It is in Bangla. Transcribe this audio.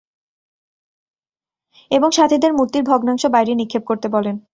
এবং সাথিদেরকে মূর্তির ভগ্নাংশ বাইরে নিক্ষেপ করতে বলেন।